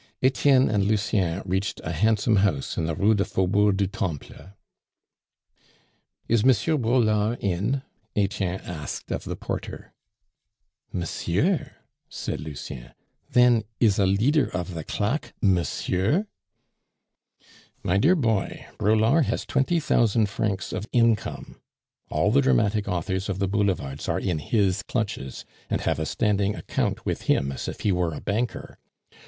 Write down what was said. Etienne and Lucien reached a handsome house in the Rue du Faubourg du Temple. "Is M. Braulard in?" Etienne asked of the porter. "Monsieur?" said Lucien. "Then, is the leader of the claque 'Monsieur'?" "My dear boy, Braulard has twenty thousand francs of income. All the dramatic authors of the Boulevards are in his clutches, and have a standing account with him as if he were a banker.